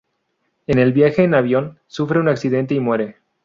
En el viaje en avión sufre un accidente y muere.